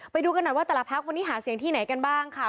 ไปดูกันหน่อยว่าแต่ละพักวันนี้หาเสียงที่ไหนกันบ้างค่ะ